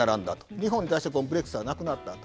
日本に対してコンプレックスはなくなったと。